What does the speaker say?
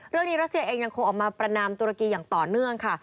รัสเซียเองยังคงออกมาประนามตุรกีอย่างต่อเนื่องค่ะ